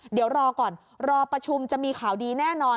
เดี๋ยวรอก่อนรอประชุมจะมีข่าวดีแน่นอน